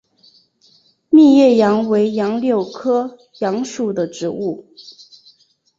密叶杨为杨柳科杨属的植物。